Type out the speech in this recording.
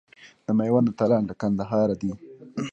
د میوند اتلان له کندهاره دي.